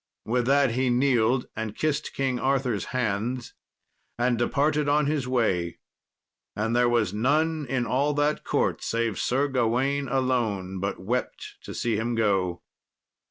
With that he kneeled and kissed King Arthur's hands, and departed on his way. And there was none in all that court, save Sir Gawain alone, but wept to see him go.